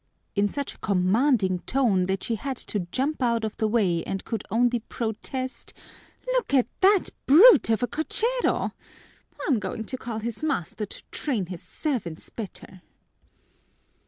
_" in such a commanding tone that she had to jump out of the way, and could only protest: "Look at that brute of a cochero! I'm going to tell his master to train his servants better."